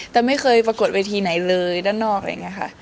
แต่ไม่เคยปรากฏเวทีไหนเลยด้านนอกอะไรอย่างนี้ค่ะ